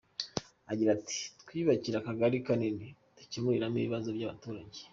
Agira ati “Twiyubakiye akagari kanini dukemuriramo ibibazo by’abaturage.